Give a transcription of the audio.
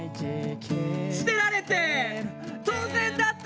「捨てられて当然だった」